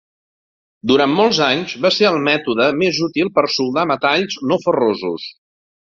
Durant molts anys va ser el mètode més útil per a soldar metalls no ferrosos.